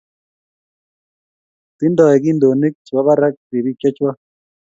tinye kintonik che bo barak ribiik chechwak